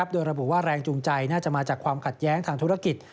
โดยระบุว่าแรงจูงใจน่าจะมาจากความขัดแย้งทางธุรกิจ